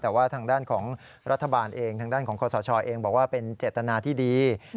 แต่ว่าทางด้านของรัฐบาลเองทางด้านของคอสชเองบอกว่าเป็นเจตนาที่ดี